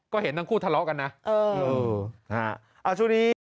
ก็เห็นทั้งคู่ทะเลาะกันนะเออเออนะฮะช่วงนี้